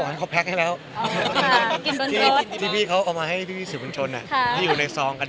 จะกลับไปลากเขาป่าอีกหรือเปล่าครับพี่ฟิโยยังพูดนั้นไหม